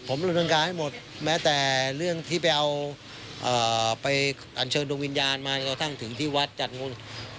ผมรู้เรื่องการให้หมดแม้แต่เรื่องที่ไปเอาเอ่อไปอัญเชิงดวงวิญญาณมาก็ตั้งถึงที่วัดจัดงุน